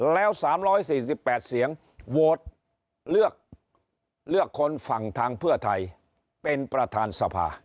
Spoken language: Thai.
แล้ว๓๔๘เสียงโหวตเลือกคนฝั่งทางเพื่อไทยเป็นประธานสภา